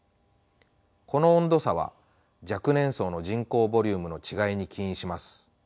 この温度差は若年層の人口ボリュームの違いに起因します。